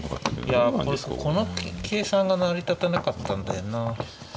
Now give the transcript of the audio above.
いやこの計算が成り立たなかったんだよな。